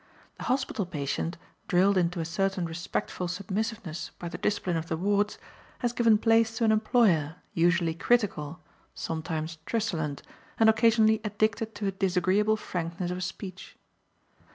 The hospital patient, drilled into a certain respectful submissiveness by the discipline of the wards, has given place to an employer, usually critical, sometimes truculent and occasionally addicted to a disagreeable frankness of speech.